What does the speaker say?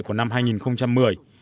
của năm hai nghìn một mươi